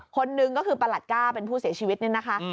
คนหนึ่งก็คือประหลัดก้าเป็นผู้เสียชีวิตเนี่ยนะคะ